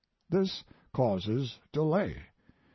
This causes delay.